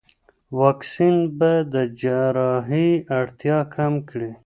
واکسین به د جراحي اړتیا کم کړي.